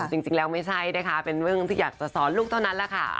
จริงแล้วไม่ใช่นะคะเป็นเรื่องที่อยากจะสอนลูกเท่านั้นแหละค่ะ